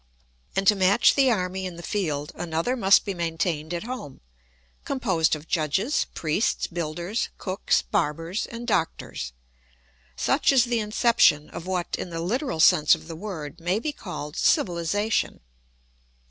And to match the army in the field another must be maintained at home, composed of judges, priests, builders, cooks, barbers, and doctors. Such is the inception of what, in the literal sense of the word, may be called civilisation.